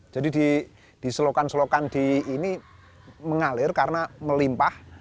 jadi di selokan selokan ini mengalir karena melimpah